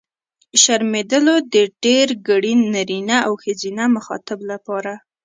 شرمېدلو! د ډېرګړي نرينه او ښځينه مخاطب لپاره.